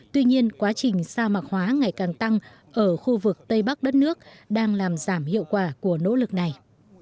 tuy nhiên quá trình sa mạc hóa ngày càng tăng ở khu vực tây bắc đất nước đang làm giảm hiệu quả của nỗ lực này